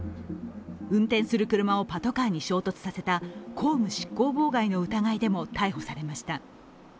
運転する車をパトカーに衝突させた公務執行妨害の疑いでも逮捕されました。